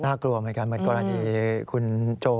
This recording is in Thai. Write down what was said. น่ากลัวเหมือนกรณีคุณโจ